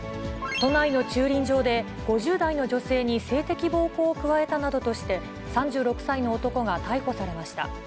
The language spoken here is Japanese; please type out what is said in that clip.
都内の駐輪場で、５０代の女性に性的暴行を加えたなどとして、３６歳の男が逮捕されました。